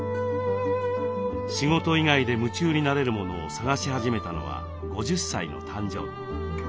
仕事以外で夢中になれるものを探し始めたのは５０歳の誕生日。